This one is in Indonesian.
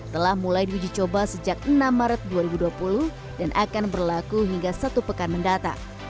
telah mulai diuji coba sejak enam maret dua ribu dua puluh dan akan berlaku hingga satu pekan mendata